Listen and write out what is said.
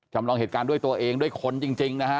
จำลองเหตุการณ์ด้วยตัวเองด้วยคนจริงนะฮะ